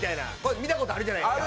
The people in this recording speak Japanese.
見たことあるじゃないですか。